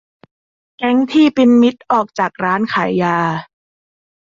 แก๊งที่เป็นมิตรออกจากร้านขายยา